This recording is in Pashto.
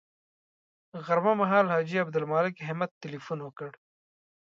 غرمه مهال حاجي عبدالمالک همت تیلفون وکړ.